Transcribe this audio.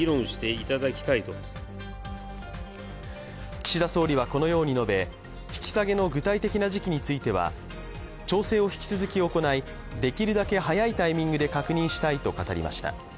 岸田総理はこのように述べ、引き下げの具体的な時期については調整を引き続き行いできるだけ早いタイミングで確認したいと語りました。